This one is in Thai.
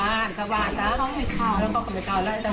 อาศัพย์กลบอหิวกล้าซักวันเธอกี่ชุมต่อไปโมงฟ้าที่สุภกิจเล่นไว้